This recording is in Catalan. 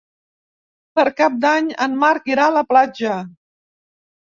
Per Cap d'Any en Marc irà a la platja.